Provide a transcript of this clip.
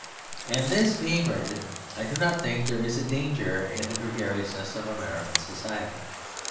And this being granted, I do think there is a danger in the gregariousness of American society.